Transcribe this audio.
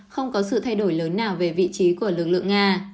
không có sự thay đổi lớn nào về vị trí của lực lượng nga